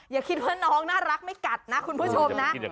อย่าคิดว่าน้องน่ารักไม่กัดนะคุณผู้ชมนะ